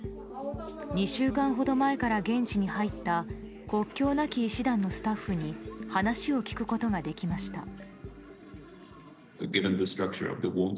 ２週間ほど前から現地に入った国境なき医師団のスタッフに話を聞くことができました。